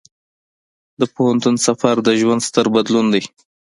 د پوهنتون سفر د ژوند ستر بدلون دی.